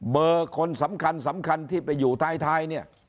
เบอร์คนสำคัญสำคัญที่ไปอยู่ท้ายเนี่ย